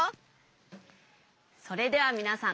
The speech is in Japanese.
それではみなさん